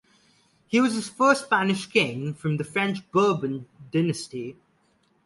He was the first Spanish king from the French Bourbon dynasty.